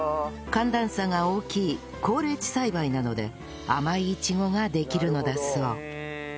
寒暖差が大きい高冷地栽培なので甘いイチゴができるのだそう